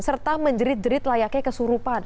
serta menjerit jerit layaknya kesurupan